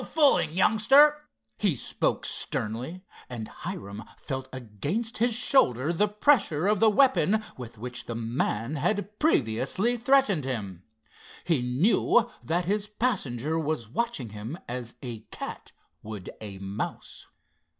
"No fooling, youngster," he spoke sternly, and Hiram felt against his shoulder the pressure of the weapon with which the man had previously threatened him. He knew that his passenger was watching him as a cat would a mouse.